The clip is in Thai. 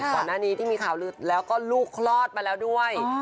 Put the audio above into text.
ก่อนหน้านี้ที่มีข่าวแล้วก็ลูกคลอดมาแล้วด้วย